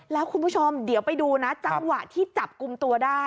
แล้วคุณผู้ชมเดี๋ยวไปดูนะจังหวะที่จับกลุ่มตัวได้